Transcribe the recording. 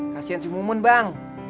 kasian si mumun bang